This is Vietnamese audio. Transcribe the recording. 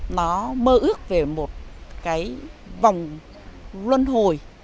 nó mơ ước về một cái vòng luân hồi